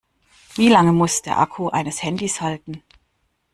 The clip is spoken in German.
Wie lange muss der Akku eines Handys halten?